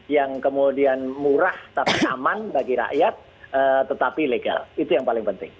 yang kemudian murah tapi aman bagi rakyat tetapi legal itu yang paling penting